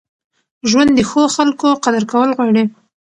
ژوند د ښو خلکو قدر کول غواړي.